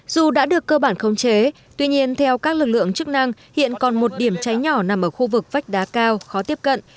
dù đã được cơ bản không chế tuy nhiên theo các lực lượng chức năng hiện còn một điểm cháy nhỏ nằm ở khu vực vách đá cao khó tiếp cận